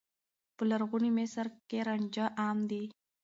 په لرغوني مصر کې رانجه عام و.